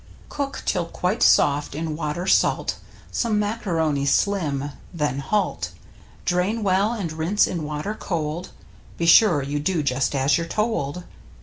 Cook till quite soft in water salt Some macaroni slim — then halt! Drain well, and rinse in water cold — (Be sure you do just as you're told).